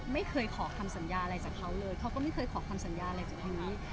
ไม่เคยขอคำสัญญาอะไรจากเขาเลยเขาก็ไม่เคยขอคำสัญญาอะไรกับทางนี้